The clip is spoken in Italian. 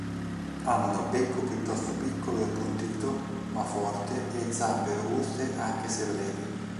Hanno becco piuttosto piccolo e appuntito, ma forte, e zampe robuste anche se brevi.